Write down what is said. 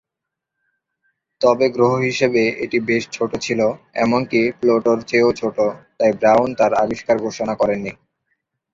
তবে গ্রহ হিসেবে এটি বেশ ছোট ছিল, এমনকি প্লুটোর চেয়েও ছোট, তাই ব্রাউন তার আবিষ্কার ঘোষণা করেননি।